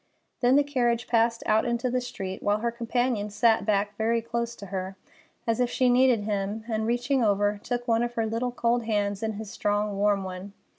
Then the carriage passed out into the street, while her companion sat back very close to her, as if she needed him, and, reaching over, took one of her little cold hands in his strong, warm one.